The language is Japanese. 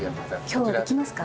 今日はできますか？